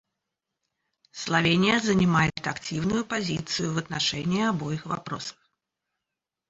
Словения занимает активную позицию в отношении обоих вопросов.